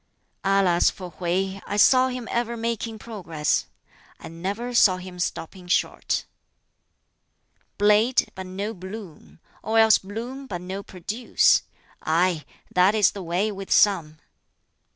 "Alas for Hwķi! I saw him ever making progress. I never saw him stopping short. "Blade, but no bloom or else bloom, but no produce; aye, that is the way with some!